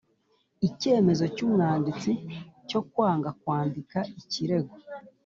Icyemezo cy’umwanditsi cyo kwanga kwandika ikirego